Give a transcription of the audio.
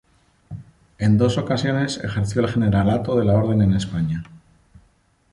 En dos ocasiones ejerció el generalato de la orden en España.